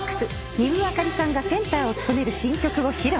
丹生明里さんがセンターを務める新曲を披露。